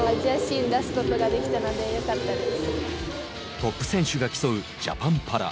トップ選手が競うジャパンパラ。